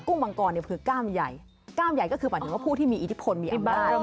มังกรเนี่ยคือก้ามใหญ่กล้ามใหญ่ก็คือหมายถึงว่าผู้ที่มีอิทธิพลมีอำนาจ